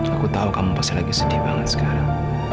aku tahu kamu pasti lagi sedih banget sekarang